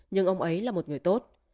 nhưng ông ấy là một người tốt